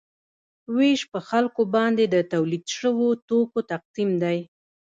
ویش په خلکو باندې د تولید شویو توکو تقسیم دی.